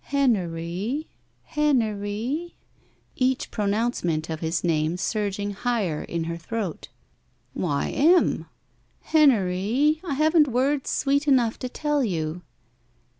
Hen ery — ^Hen ery," each pronouncement of his name surging higher in her throat. 191, GUILTY "Why, Em?'* Hen ery, I haven't words sweet enough to tell you."